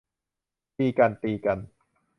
ตีกัน ตีกัน